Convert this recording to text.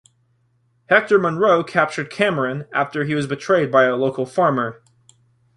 Hector Munro captured Cameron after he was betrayed by a local farmer.